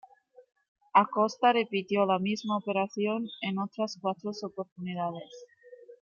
Acosta repitió la misma operación en otras cuatro oportunidades.